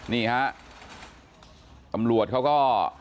นี่ฮะตำรวจเขาก็